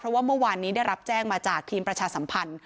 เพราะว่าเมื่อวานนี้ได้รับแจ้งมาจากทีมประชาสัมพันธ์